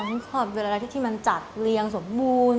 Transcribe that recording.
ฉันชอบเวลาที่มันจัดเลี้ยงสมบูรณ์